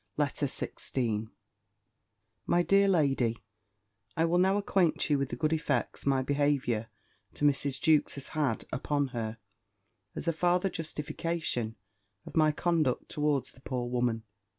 B. LETTER XVI MY DEAR LADY, I will now acquaint you with the good effects my behaviour to Mrs. Jewkes has had upon her, as a farther justification of my conduct towards the poor woman.